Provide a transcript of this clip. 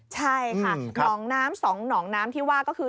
ใช่ค่ะหนองน้ำ๒หนองน้ำที่ว่าก็คือ